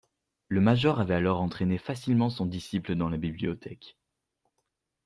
Le major avait alors entraîné facilement son disciple dans la bibliothèque.